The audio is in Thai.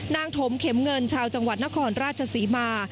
ถมเข็มเงินชาวจังหวัดนครราชศรีมา